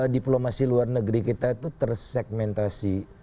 diplomasi luar negeri kita itu tersegmentasi